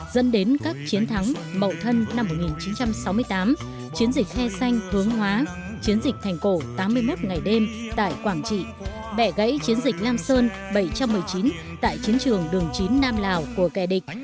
dẫn đến các chiến thắng mậu thân năm một nghìn chín trăm sáu mươi tám chiến dịch he xanh hướng hóa chiến dịch thành cổ tám mươi một ngày đêm tại quảng trị bẻ gãy chiến dịch lam sơn bảy trăm một mươi chín tại chiến trường đường chín nam lào của kẻ địch